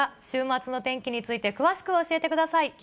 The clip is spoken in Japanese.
週末の天気について詳しく教えてください。